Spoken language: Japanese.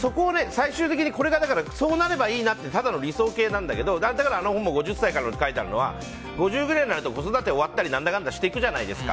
最終的にこれがそうなればいいなというただの理想形なんだけどだからあの本も５０歳から乗って書いてあるのは５０ぐらいになると子育て終わったりとか何だかんだあるじゃないですか。